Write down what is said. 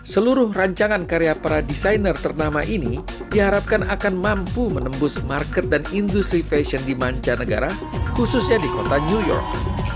seluruh rancangan karya para desainer ternama ini diharapkan akan mampu menembus market dan industri fashion di mancanegara khususnya di kota new york